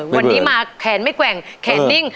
วันนี้มาแขนไม่แกว่งแขนนิ่ง